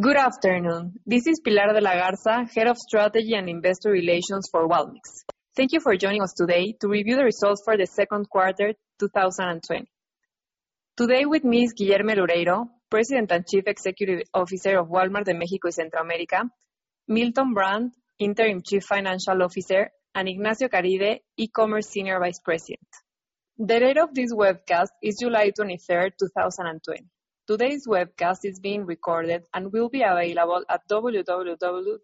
Good afternoon. This is Pilar de la Garza Fernández del Valle, Head of Strategy and Investor Relations for Walmex. Thank you for joining us today to review the results for the second quarter 2020. Today with me is Guilherme Loureiro, President and Chief Executive Officer of Walmart de México and Central America, Milton Brandt, Interim Chief Financial Officer, and Ignacio Caride, E-commerce Senior Vice President. The date of this webcast is July 23rd, 2020. Today's webcast is being recorded and will be available at www.walmex.mx.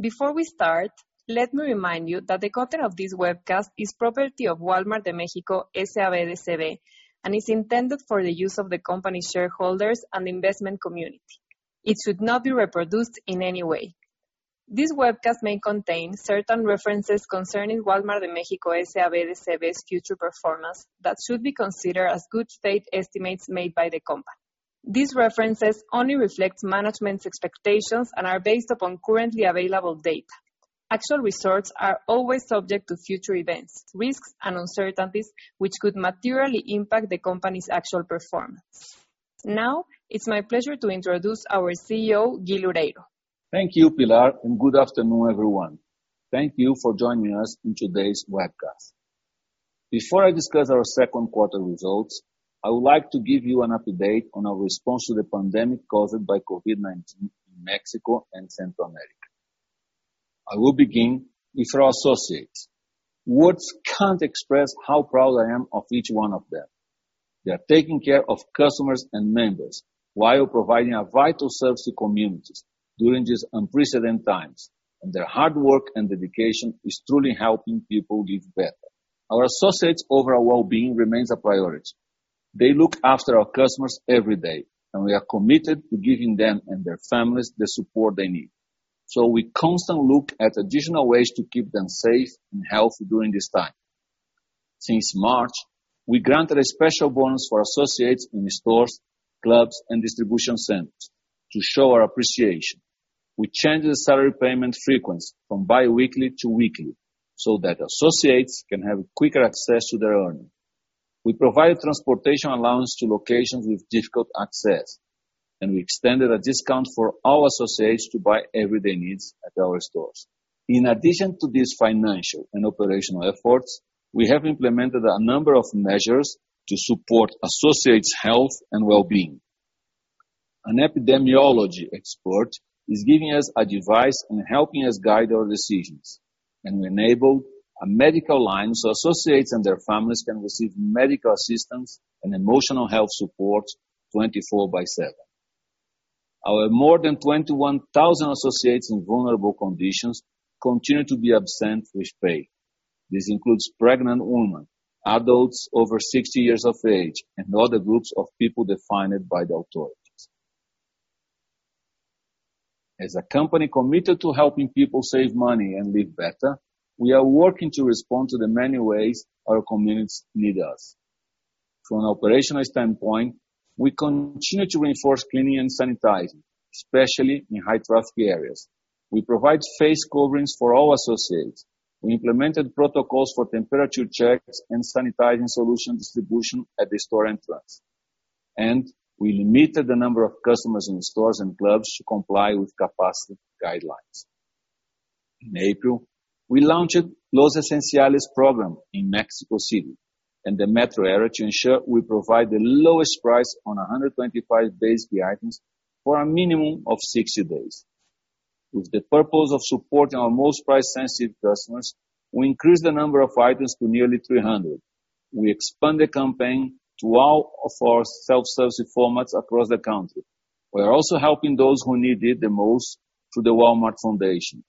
Before we start, let me remind you that the content of this webcast is property of Wal-Mart de México, S.A.B. de C.V., and is intended for the use of the company shareholders and investment community. It should not be reproduced in any way. This webcast may contain certain references concerning Wal-Mart de México, S.A.B. de C.V. de C.V.'s future performance that should be considered as good faith estimates made by the company. These references only reflect management's expectations and are based upon currently available data. Actual results are always subject to future events, risks, and uncertainties, which could materially impact the company's actual performance. It's my pleasure to introduce our CEO, Guilherme Loureiro. Thank you, Pilar. Good afternoon, everyone. Thank you for joining us on today's webcast. Before I discuss our second quarter results, I would like to give you an update on our response to the pandemic caused by COVID-19 in Mexico and Central America. I will begin with our associates. Words can't express how proud I am of each one of them. They are taking care of customers and members while providing a vital service to communities during these unprecedented times, and their hard work and dedication is truly helping people live better. Our associates' overall well-being remains a priority. They look after our customers every day, and we are committed to giving them and their families the support they need. We constantly look at additional ways to keep them safe and healthy during this time. Since March, we granted a special bonus for associates in stores, clubs, and distribution centers to show our appreciation. We changed the salary payment frequency from biweekly to weekly so that associates can have quicker access to their earnings. We provide transportation allowance to locations with difficult access, and we extended a discount for all associates to buy everyday needs at our stores. In addition to these financial and operational efforts, we have implemented a number of measures to support associates' health and well-being. An epidemiology expert is giving us advice and helping us guide our decisions, and we enabled a medical line so associates and their families can receive medical assistance and emotional health support 24/7. Our more than 21,000 associates in vulnerable conditions continue to be absent with pay. This includes pregnant women, adults over 60 years of age, and other groups of people defined by the authorities. As a company committed to helping people save money and live better, we are working to respond to the many ways our communities need us. From an operational standpoint, we continue to reinforce cleaning and sanitizing, especially in high traffic areas. We provide face coverings for all associates. We implemented protocols for temperature checks and sanitizing solution distribution at the store entrance, and we limited the number of customers in stores and clubs to comply with capacity guidelines. In April, we launched Los Esenciales program in Mexico City and the metro area to ensure we provide the lowest price on 125 basic items for a minimum of 60 days. With the purpose of supporting our most price-sensitive customers, we increased the number of items to nearly 300. We expanded the campaign to all of our self-service formats across the country. We are also helping those who need it the most through the Walmart Foundation.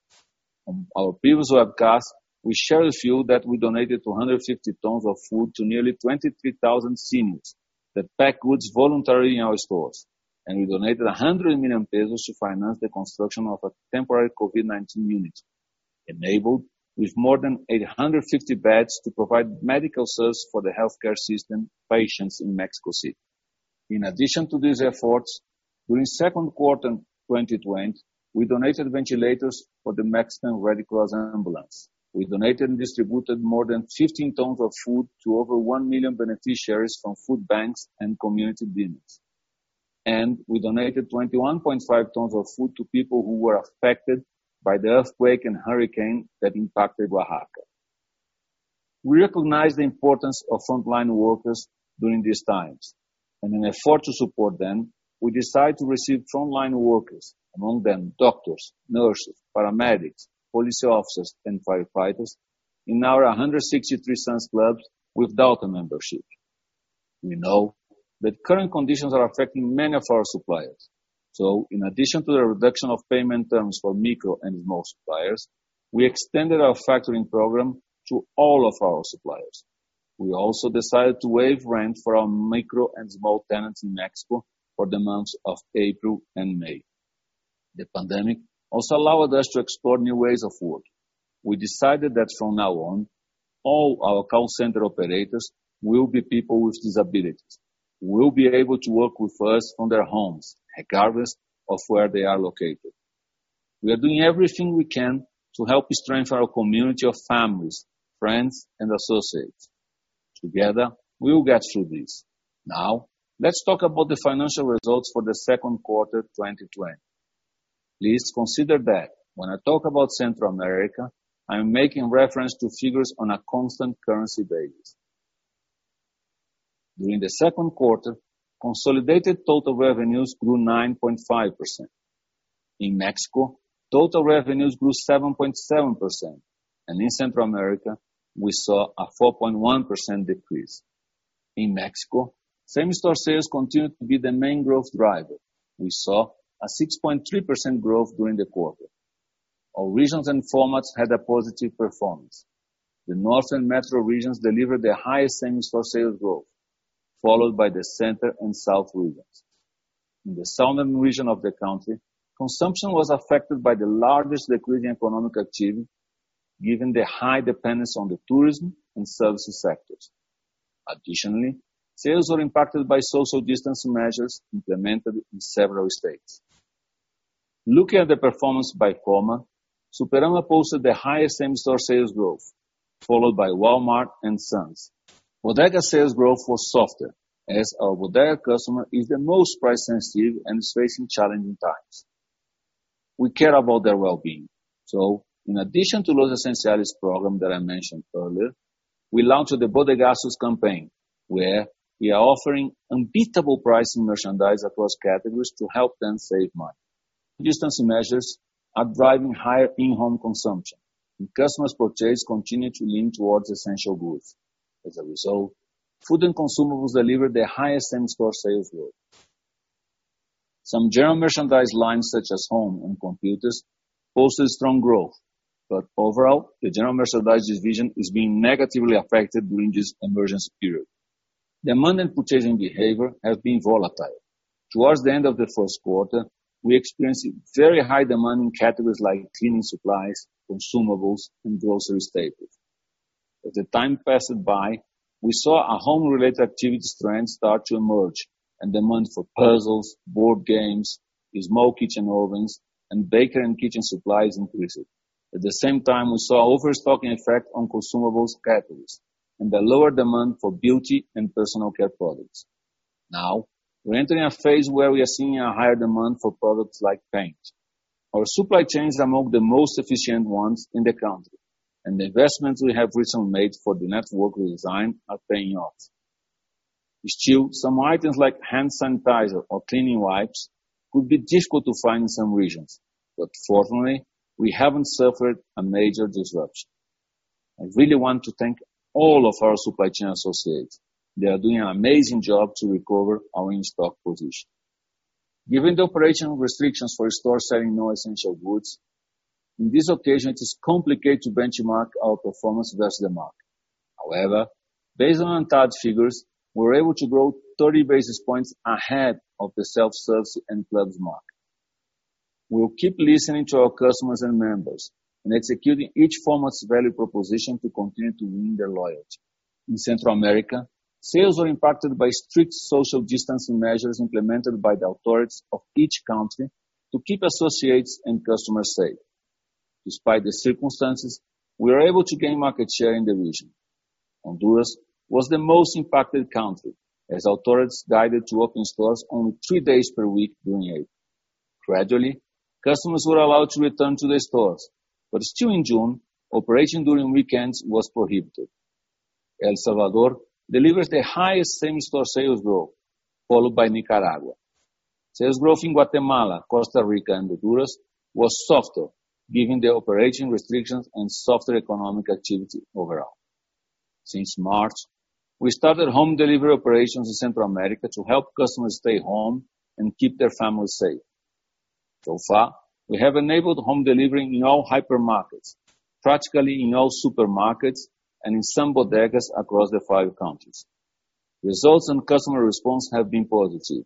On our previous webcast, we shared with you that we donated 250 tons of food to nearly 23,000 seniors that packed goods voluntarily in our stores. We donated 100 million pesos to finance the construction of a temporary COVID-19 unit, enabled with more than 850 beds to provide medical service for the healthcare system patients in Mexico City. In addition to these efforts, during second quarter 2020, we donated ventilators for the Mexican Red Cross ambulance. We donated and distributed more than 15 tons of food to over one million beneficiaries from food banks and community bins. We donated 21.5 tons of food to people who were affected by the earthquake and hurricane that impacted Oaxaca. We recognize the importance of frontline workers during these times, and in effort to support them, we decide to receive frontline workers, among them doctors, nurses, paramedics, police officers, and firefighters in our 163 Sam's Clubs without a membership. In addition to the reduction of payment terms for micro and small suppliers, we extended our factoring program to all of our suppliers. We also decided to waive rent for our micro and small tenants in Mexico for the months of April and May. The pandemic also allowed us to explore new ways of working. We decided that from now on, all our call center operators will be people with disabilities, who will be able to work with us from their homes regardless of where they are located. We are doing everything we can to help strengthen our community of families, friends, and associates. Together, we will get through this. Now, let's talk about the financial results for the second quarter 2020. Please consider that when I talk about Central America, I'm making reference to figures on a constant currency basis. During the second quarter, consolidated total revenues grew 9.5%. In Mexico, total revenues grew 7.7%, and in Central America, we saw a 4.1% decrease. In Mexico, same-store sales continued to be the main growth driver. We saw a 6.3% growth during the quarter. All regions and formats had a positive performance. The North and Metro regions delivered their highest same-store sales growth, followed by the Center and South regions. In the southern region of the country, consumption was affected by the largest decline in economic activity, given the high dependence on the tourism and services sectors. Sales were impacted by social distancing measures implemented in several states. Looking at the performance by format, Superama posted the highest same-store sales growth, followed by Walmart and Sam's. Bodega sales growth was softer, as our Bodega customer is the most price sensitive and is facing challenging times. We care about their wellbeing. In addition to Los Esenciales program that I mentioned earlier, we launched the Bodegazos campaign, where we are offering unbeatable pricing merchandise across categories to help them save money. Distancing measures are driving higher in-home consumption, and customers' purchase continue to lean towards essential goods. As a result, food and consumables delivered their highest same-store sales growth. Some general merchandise lines, such as home and computers, posted strong growth. Overall, the general merchandise division is being negatively affected during this emergency period. Demand and purchasing behavior have been volatile. Towards the end of the first quarter, we experienced very high demand in categories like cleaning supplies, consumables, and grocery staples. As the time passed by, we saw a home-related activities trend start to emerge and demand for puzzles, board games, small kitchen ovens, and baker and kitchen supplies increased. At the same time, we saw overstocking effect on consumables categories and the lower demand for beauty and personal care products. Now, we're entering a phase where we are seeing a higher demand for products like paint. Our supply chains are among the most efficient ones in the country, and the investments we have recently made for the network design are paying off. Still, some items like hand sanitizer or cleaning wipes could be difficult to find in some regions, but fortunately, we haven't suffered a major disruption. I really want to thank all of our supply chain associates. They are doing an amazing job to recover our in-stock position. Given the operational restrictions for stores selling non-essential goods, in this occasion, it is complicated to benchmark our performance versus the market. Based on ANTAD figures, we were able to grow 30 basis points ahead of the self-service and clubs market. We will keep listening to our customers and members and executing each format's value proposition to continue to win their loyalty. In Central America, sales were impacted by strict social distancing measures implemented by the authorities of each country to keep associates and customers safe. Despite the circumstances, we were able to gain market share in the region. Honduras was the most impacted country, as authorities guided to open stores only three days per week during April. Gradually, customers were allowed to return to the stores. Still in June, operation during weekends was prohibited. El Salvador delivers the highest same-store sales growth, followed by Nicaragua. Sales growth in Guatemala, Costa Rica, and Honduras was softer given the operation restrictions and softer economic activity overall. Since March, we started home delivery operations in Central America to help customers stay home and keep their families safe. So far, we have enabled home delivery in all hypermarkets, practically in all supermarkets, and in some bodegas across the five countries. Results and customer response have been positive.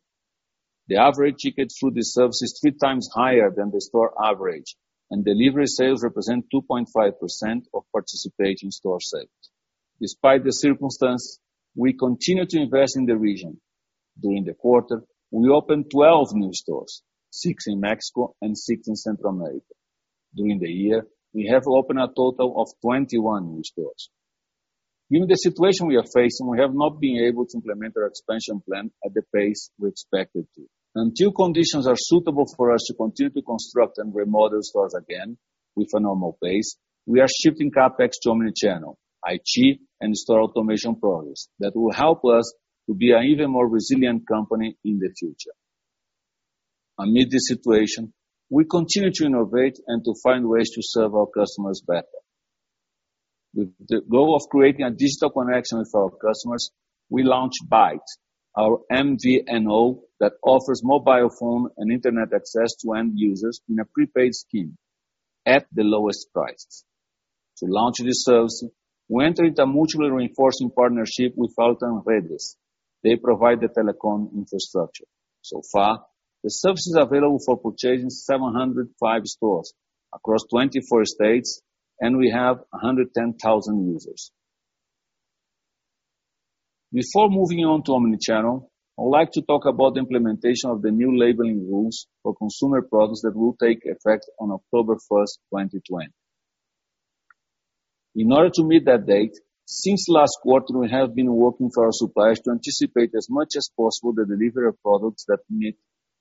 The average ticket through this service is three times higher than the store average, and delivery sales represent 2.5% of participating store sales. Despite the circumstance, we continue to invest in the region. During the quarter, we opened 12 new stores, six in Mexico and six in Central America. During the year, we have opened a total of 21 new stores. Given the situation we are facing, we have not been able to implement our expansion plan at the pace we expected to. Until conditions are suitable for us to continue to construct and remodel stores again with a normal pace, we are shifting CapEx to omnichannel, IT, and store automation projects that will help us to be an even more resilient company in the future. Amid the situation, we continue to innovate and to find ways to serve our customers better. With the goal of creating a digital connection with our customers, we launched Bait, our MVNO that offers mobile phone and internet access to end users in a prepaid scheme at the lowest price. To launch this service, we entered a mutually reinforcing partnership with Altán Redes. They provide the telecom infrastructure. So far, the service is available for purchase in 705 stores across 24 states, and we have 110,000 users. Before moving on to omnichannel, I would like to talk about the implementation of the new labeling rules for consumer products that will take effect on October 1st, 2020. In order to meet that date, since last quarter, we have been working for our suppliers to anticipate as much as possible the delivery of products that meet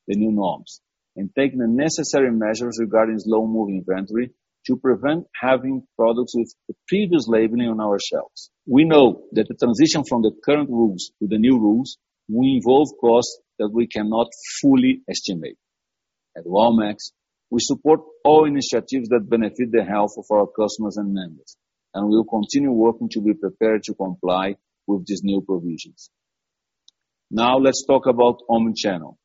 the new norms and take the necessary measures regarding slow-moving inventory to prevent having products with the previous labeling on our shelves. We know that the transition from the current rules to the new rules will involve costs that we cannot fully estimate. At Walmex, we support all initiatives that benefit the health of our customers and members, and we will continue working to be prepared to comply with these new provisions. Now, let's talk about omnichannel.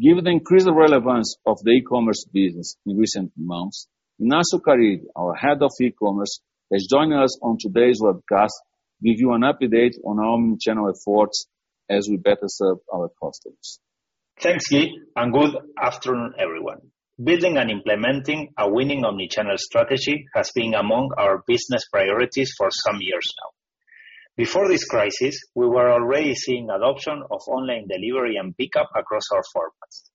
Given the increased relevance of the e-commerce business in recent months, Ignacio Caride, our head of e-commerce, has joined us on today's webcast to give you an update on our omnichannel efforts as we better serve our customers. Thanks, Guilherme. Good afternoon, everyone. Building and implementing a winning omnichannel strategy has been among our business priorities for some years now. Before this crisis, we were already seeing adoption of online delivery and pickup across our formats,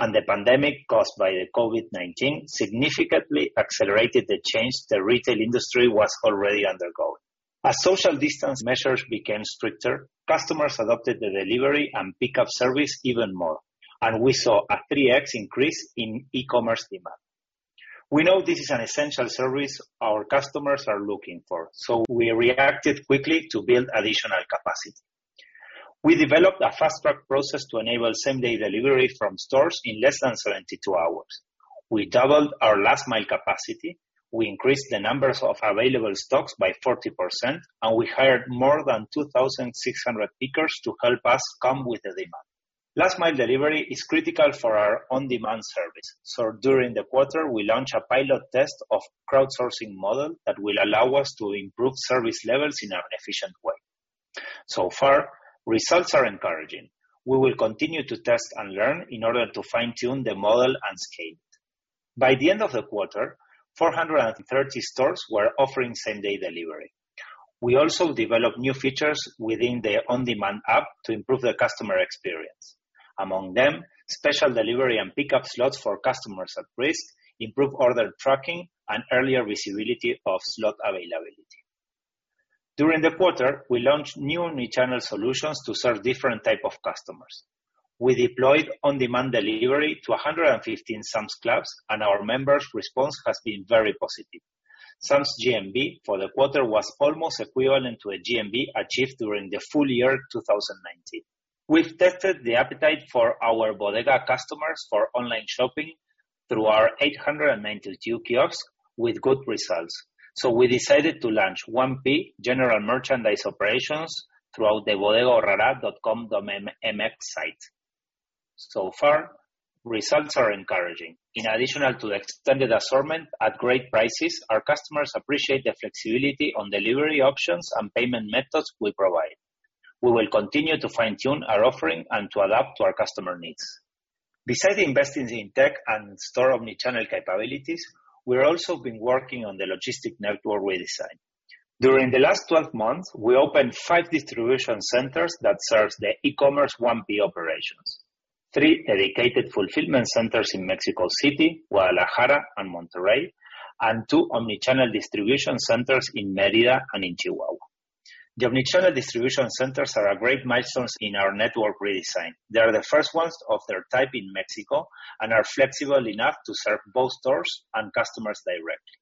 and the pandemic caused by the COVID-19 significantly accelerated the change the retail industry was already undergoing. As social distance measures became stricter, customers adopted the delivery and pickup service even more, and we saw a 3x increase in e-commerce demand. We know this is an essential service our customers are looking for, so we reacted quickly to build additional capacity. We developed a fast-track process to enable same-day delivery from stores in less than 72 hours. We doubled our last-mile capacity. We increased the numbers of available stocks by 40%, and we hired more than 2,600 pickers to help us cope with the demand. Last-mile delivery is critical for our on-demand service, so during the quarter, we launched a pilot test of crowdsourcing model that will allow us to improve service levels in an efficient way. So far, results are encouraging. We will continue to test and learn in order to fine-tune the model and scale it. By the end of the quarter, 430 stores were offering same-day delivery. We also developed new features within the on-demand app to improve the customer experience. Among them, special delivery and pickup slots for customers at risk, improved order tracking, and earlier visibility of slot availability. During the quarter, we launched new omnichannel solutions to serve different types of customers. We deployed on-demand delivery to 115 Sam's Clubs, and our members' response has been very positive. Sam's GMV for the quarter was almost equivalent to a GMV achieved during the full year 2019. We've tested the appetite for our Bodega customers for online shopping through our 892 kiosks with good results. We decided to launch 1P general merchandise operations throughout the bodegaaurrera.com.mx site. Far, results are encouraging. In addition to the extended assortment at great prices, our customers appreciate the flexibility on delivery options and payment methods we provide. We will continue to fine-tune our offering and to adapt to our customer needs. Besides investing in tech and store omnichannel capabilities, we've also been working on the logistic network redesign. During the last 12 months, we opened five distribution centers that serve the e-commerce 1P operations, three dedicated fulfillment centers in Mexico City, Guadalajara, and Monterrey, and two omnichannel distribution centers in Mérida and in Chihuahua. The omnichannel distribution centers are a great milestone in our network redesign. They are the first ones of their type in Mexico and are flexible enough to serve both stores and customers directly.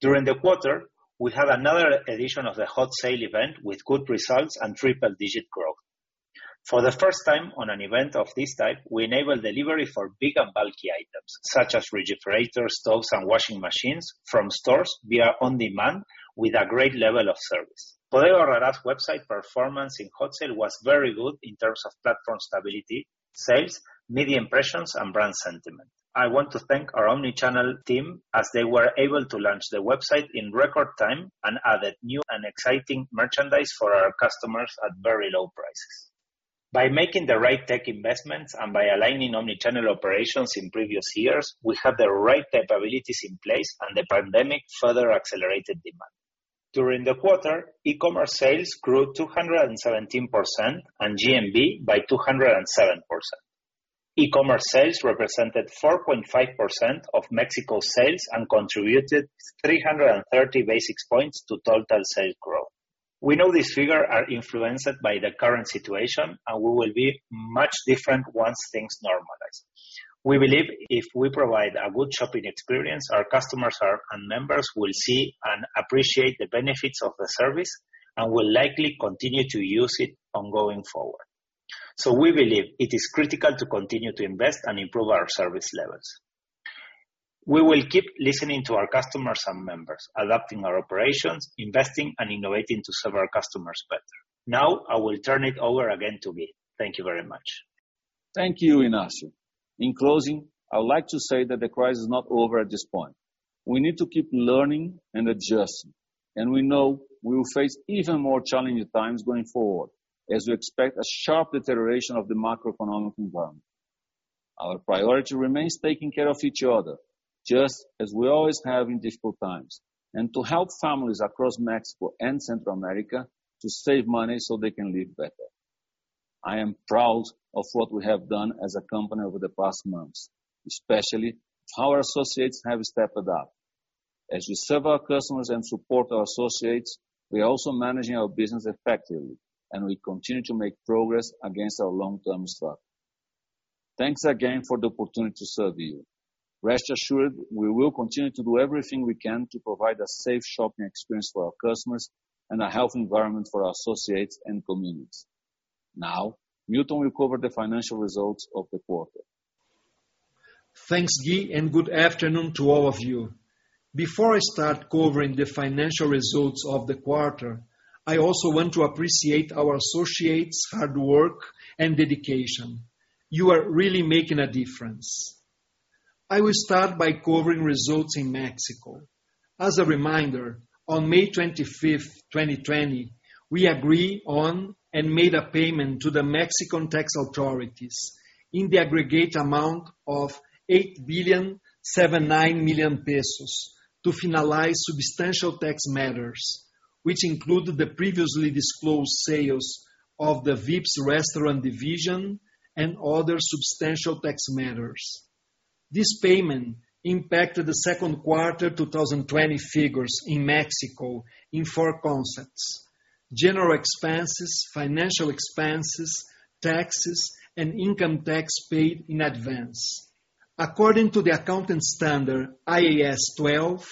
During the quarter, we had another edition of the Hot Sale event with good results and triple-digit growth. For the first time on an event of this type, we enabled delivery for big and bulky items, such as refrigerators, stoves, and washing machines, from stores via on-demand with a great level of service. Bodega Aurrerá's website performance in Hot Sale was very good in terms of platform stability, sales, media impressions, and brand sentiment. I want to thank our omnichannel team, as they were able to launch the website in record time and added new and exciting merchandise for our customers at very low prices. By making the right tech investments and by aligning omnichannel operations in previous years, we had the right capabilities in place, and the pandemic further accelerated demand. During the quarter, e-commerce sales grew 217% and GMV by 207%. E-commerce sales represented 4.5% of Mexico sales and contributed 330 basis points to total sales growth. We know these figures are influenced by the current situation, and will be much different once things normalize. We believe if we provide a good shopping experience, our customers and members will see and appreciate the benefits of the service and will likely continue to use it ongoing forward. We believe it is critical to continue to invest and improve our service levels. We will keep listening to our customers and members, adapting our operations, investing, and innovating to serve our customers better. Now, I will turn it over again to Guilherme. Thank you very much. Thank you, Ignacio. In closing, I would like to say that the crisis is not over at this point. We need to keep learning and adjusting, and we know we will face even more challenging times going forward as we expect a sharp deterioration of the macroeconomic environment. Our priority remains taking care of each other, just as we always have in difficult times, and to help families across Mexico and Central America to save money so they can live better. I am proud of what we have done as a company over the past months, especially how our associates have stepped up. As we serve our customers and support our associates, we are also managing our business effectively, and we continue to make progress against our long-term strategy. Thanks again for the opportunity to serve you. Rest assured, we will continue to do everything we can to provide a safe shopping experience for our customers and a healthy environment for our associates and communities. Now, Milton Brandt will cover the financial results of the quarter. Thanks, Guilherme, and good afternoon to all of you. Before I start covering the financial results of the quarter, I also want to appreciate our associates' hard work and dedication. You are really making a difference. I will start by covering results in Mexico. As a reminder, on May 25th, 2020, we agreed on and made a payment to the Mexican tax authorities in the aggregate amount of 8.79 billion, to finalize substantial tax matters, which included the previously disclosed sales of the Vips restaurant division and other substantial tax matters. This payment impacted the second quarter 2020 figures in Mexico in four concepts: general expenses, financial expenses, taxes, and income tax paid in advance. According to the accounting standard IAS 12,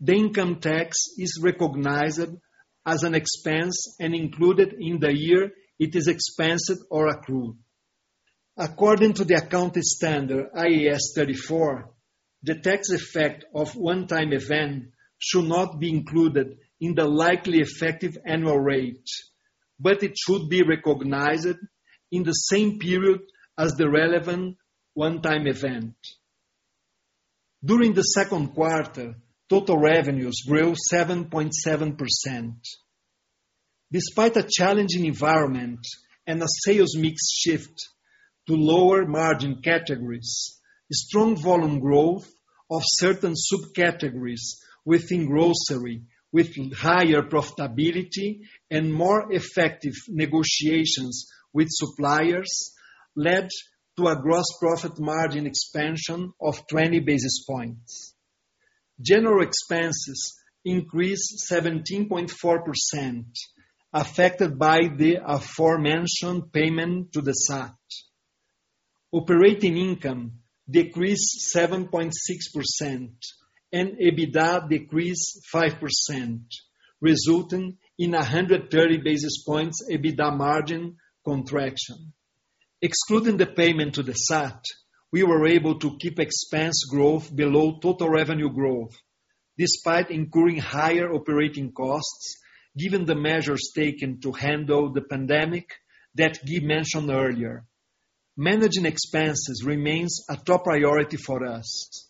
the income tax is recognized as an expense and included in the year it is expensed or accrued. According to the accounting standard IAS 34, the tax effect of one-time event should not be included in the likely effective annual rate, but it should be recognized in the same period as the relevant one-time event. During the second quarter, total revenues grew 7.7%. Despite a challenging environment and a sales mix shift to lower margin categories, strong volume growth of certain subcategories within grocery with higher profitability and more effective negotiations with suppliers led to a gross profit margin expansion of 20 basis points. General expenses increased 17.4%, affected by the aforementioned payment to the SAT. Operating income decreased 7.6%, and EBITDA decreased 5%, resulting in 130 basis points EBITDA margin contraction. Excluding the payment to the SAT, we were able to keep expense growth below total revenue growth, despite incurring higher operating costs given the measures taken to handle the pandemic that Guilherme mentioned earlier. Managing expenses remains a top priority for us.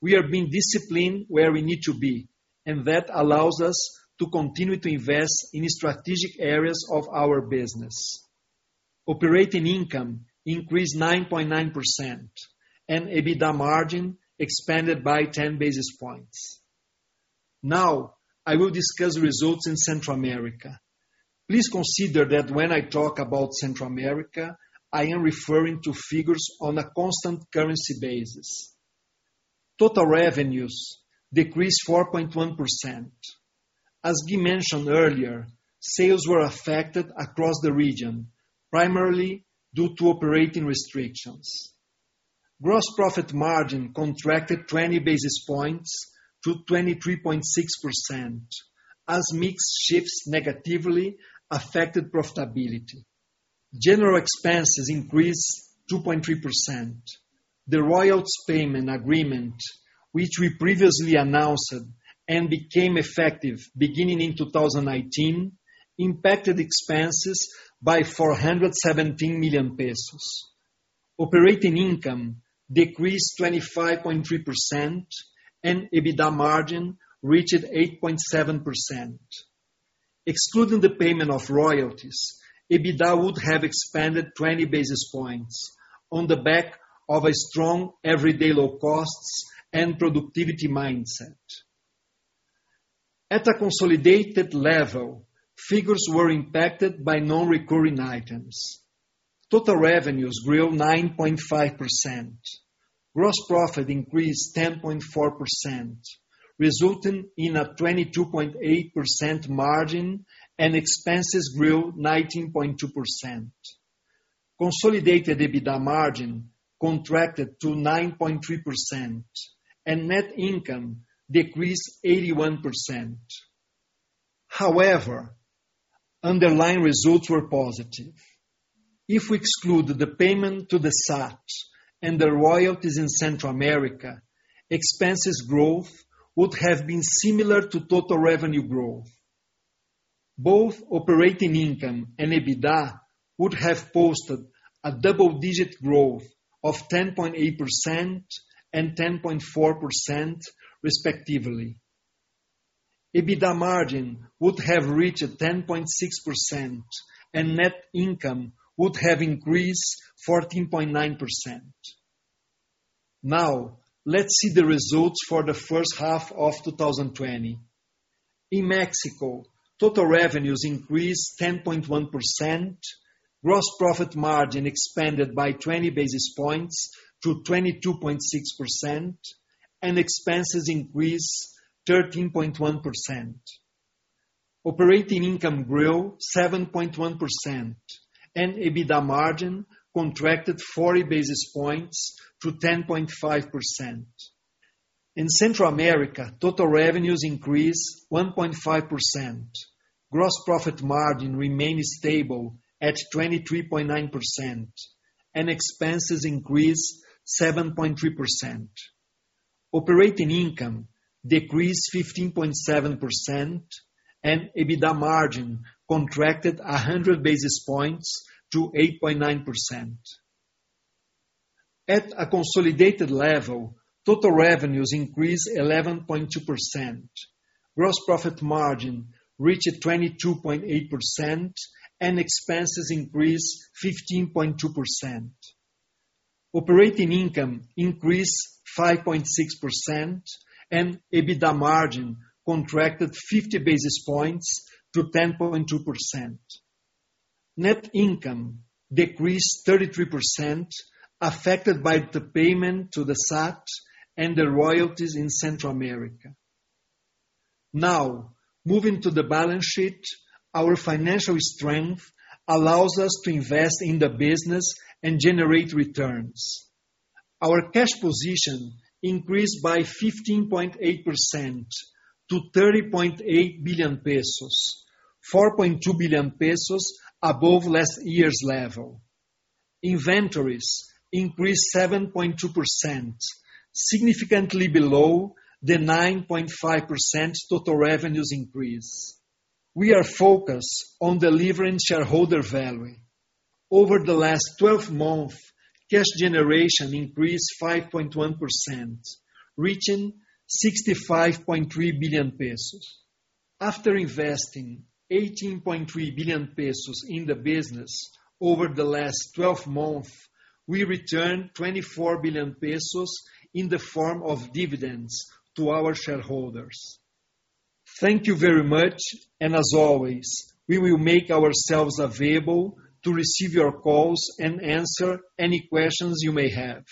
We are being disciplined where we need to be, and that allows us to continue to invest in strategic areas of our business. Operating income increased 9.9%, and EBITDA margin expanded by 10 basis points. I will discuss results in Central America. Please consider that when I talk about Central America, I am referring to figures on a constant currency basis. Total revenues decreased 4.1%. As Guilherme mentioned earlier, sales were affected across the region, primarily due to operating restrictions. Gross profit margin contracted 20 basis points to 23.6% as mix shifts negatively affected profitability. General expenses increased 2.3%. The royalties payment agreement, which we previously announced and became effective beginning in 2019, impacted expenses by 417 million pesos. Operating income decreased 25.3%, and EBITDA margin reached 8.7%. Excluding the payment of royalties, EBITDA would have expanded 20 basis points on the back of a strong everyday low costs and productivity mindset. At a consolidated level, figures were impacted by non-recurring items. Total revenues grew 9.5%. Gross profit increased 10.4%, resulting in a 22.8% margin and expenses grew 19.2%. Consolidated EBITDA margin contracted to 9.3%, and net income decreased 81%. However, underlying results were positive. If we exclude the payment to the SAT and the royalties in Central America, expenses growth would have been similar to total revenue growth. Both operating income and EBITDA would have posted a double-digit growth of 10.8% and 10.4% respectively. EBITDA margin would have reached 10.6%, and net income would have increased 14.9%. Now, let's see the results for the first half of 2020. In Mexico, total revenues increased 10.1%, gross profit margin expanded by 20 basis points to 22.6%, and expenses increased 13.1%. Operating income grew 7.1%. EBITDA margin contracted 40 basis points to 10.5%. In Central America, total revenues increased 1.5%. Gross profit margin remained stable at 23.9%. Expenses increased 7.3%. Operating income decreased 15.7%. EBITDA margin contracted 100 basis points to 8.9%. At a consolidated level, total revenues increased 11.2%. Gross profit margin reached 22.8%. Expenses increased 15.2%. Operating income increased 5.6%. EBITDA margin contracted 50 basis points to 10.2%. Net income decreased 33%, affected by the payment to the SAT and the royalties in Central America. Moving to the balance sheet, our financial strength allows us to invest in the business and generate returns. Our cash position increased by 15.8% to 30.8 billion pesos, 4.2 billion pesos above last year's level. Inventories increased 7.2%, significantly below the 9.5% total revenues increase. We are focused on delivering shareholder value. Over the last 12 months, cash generation increased 5.1%, reaching 65.3 billion pesos. After investing 18.3 billion pesos in the business over the last 12 months, we returned 24 billion pesos in the form of dividends to our shareholders. Thank you very much, and as always, we will make ourselves available to receive your calls and answer any questions you may have.